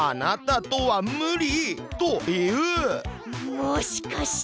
もしかして。